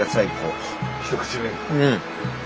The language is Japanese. うん。